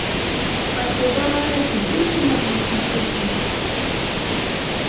Ɣef uḍar ara teddumt neɣ s usakal?